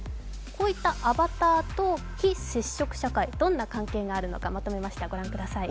こういったアバターと非接触社会、どんな関係があるのかまとめました、ご覧ください。